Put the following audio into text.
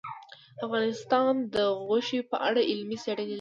افغانستان د غوښې په اړه علمي څېړنې لري.